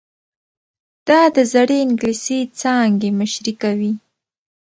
دا د زړې انګلیسي څانګې مشري کوي.